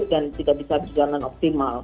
dan tidak bisa berjalan optimal